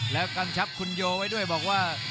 แล้วกำชับคุณโยไว้ด้วยบอกว่า